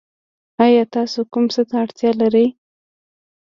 ایا تاسو کوم څه ته اړتیا لرئ؟